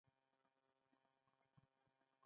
په مشرتابه باندې سره جوړ نه شول.